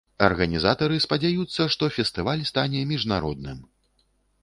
Арганізатары спадзяюцца, што фестываль стане міжнародным.